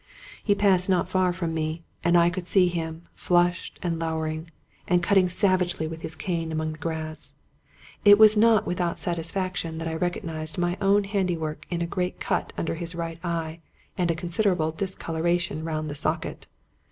He passed not far from me, and I could see him, flushed and lowering, and cutting savagely with his cane among the grass. It was not with 169 Scotch Mystery Stories out satisfaction that I recognized my own handiwork in a great cut under his right eye, and a considerable discolora tion round the socket.